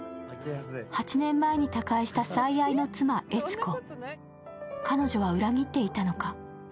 ８年前に他界した最愛の妻、江津子彼女は裏切っていたのか。